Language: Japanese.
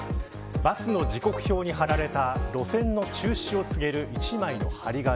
バスの時刻表に張られた路線の中止を告げる一枚の張り紙。